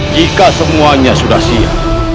jika semuanya sudah siap